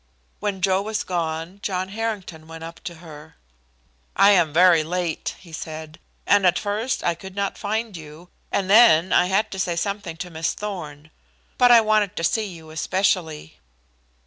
When Joe was gone, John Harrington went up to her. "I came very late," he said, "and at first I could not find you, and then I had to say something to Miss Thorn. But I wanted to see you especially."